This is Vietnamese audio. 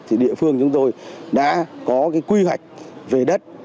thì địa phương chúng tôi đã có cái quy hoạch về đất